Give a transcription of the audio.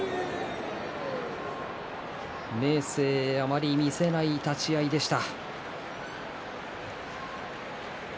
明生、あまり見せない立ち合いでした。